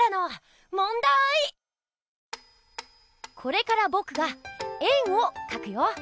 これからぼくが円をかくよ。